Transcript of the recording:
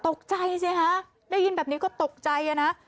ตกใจสิคะได้ยินแบบนี้ก็ตกใจนะ